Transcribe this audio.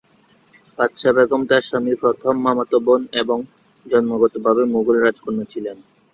বাদশা বেগম তাঁর স্বামীর প্রথম মামাতো বোন এবং জন্মগতভাবে মুঘল রাজকন্যা ছিলেন।